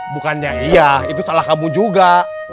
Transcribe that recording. bukannya iya itu salah kamu juga